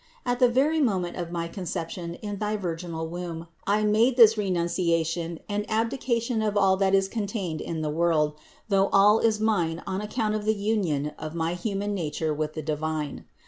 At the very moment of my concep tion in thy virginal womb I made this renunciation and abdication of all that is contained in the world, though all is mine on account of the union of my human nature with the divine.